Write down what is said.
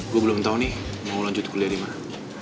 gue belum tau nih mau lanjutin kuliah di mana